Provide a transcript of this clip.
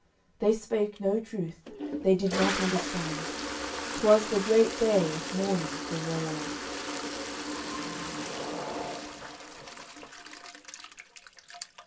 They spake no truth; they did not understand; 'Twas the great day of mourning for Rollant.